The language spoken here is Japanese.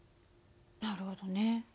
なるほどね。